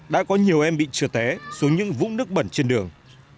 đã có nhiều em bị trượt té xuống những vũng nước bẩn trên đường